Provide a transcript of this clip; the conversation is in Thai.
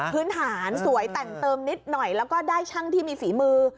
พื้นฐานสวยแต่งเติมนิดหน่อยแล้วก็ได้ช่างที่มีฝีมือ